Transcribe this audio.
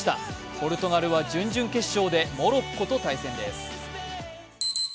ポルトガルは準々決勝でモロッコと対戦です。